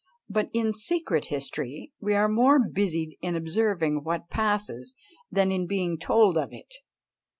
But in secret history we are more busied in observing what passes than in being told of it.